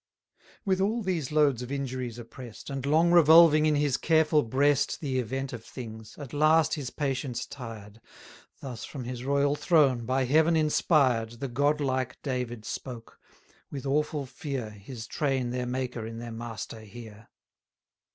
With all these loads of injuries oppress'd, And long revolving in his careful breast The event of things, at last his patience tired, Thus, from his royal throne, by Heaven inspired, The god like David spoke; with awful fear, His train their Maker in their master hear.